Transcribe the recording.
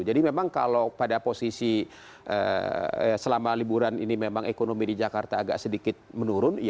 jadi memang kalau pada posisi selama liburan ini memang ekonomi di jakarta agak sedikit menurun ya itu itu